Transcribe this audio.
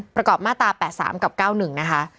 ประกอบมาตรา๘๓กับ๙๑นะคะ